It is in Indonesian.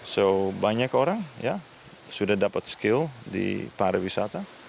so banyak orang ya sudah dapat skill di pariwisata